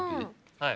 はい。